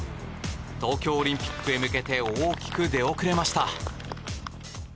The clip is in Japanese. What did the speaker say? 東京オリンピックへ向けて大きく出遅れました。